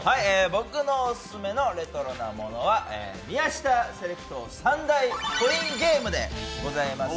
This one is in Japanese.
僕のオススメのレトロなものは宮下セレクト・３大コインゲームでございます。